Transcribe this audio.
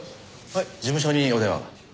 事務所にお電話が。